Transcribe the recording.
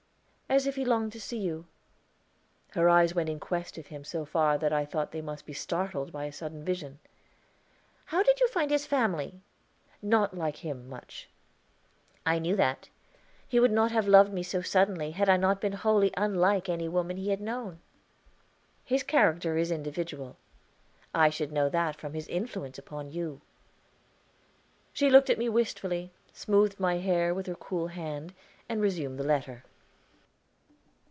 "As if he longed to see you." Her eyes went in quest of him so far that I thought they must be startled by a sudden vision. "How did you find his family?" "Not like him much." "I knew that; he would not have loved me so suddenly had I not been wholly unlike any woman he had known." "His character is individual." "I should know that from his influence upon you." She looked at me wistfully, smoothed my hair with her cool hand, and resumed the letter.